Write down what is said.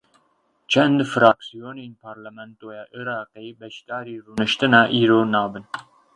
Çend firaksiyonên parlamentoya Iraqê beşdarî rûniştina îro nabin.